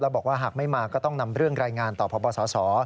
บอกว่าหากไม่มาก็ต้องนำเรื่องรายงานต่อพบสส